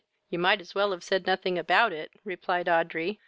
You might as well have said nothing about it, (replied Audrey.)